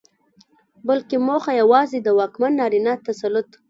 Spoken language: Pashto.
بلکې موخه يواځې د واکمن نارينه تسلط